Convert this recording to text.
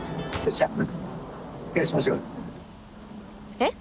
えっ！